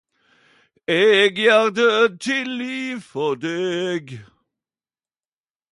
Eg gjer død til liv for deg